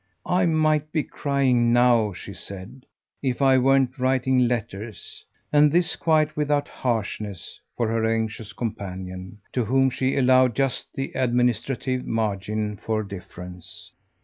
"I might be crying now," she said, "if I weren't writing letters" and this quite without harshness for her anxious companion, to whom she allowed just the administrative margin for difference.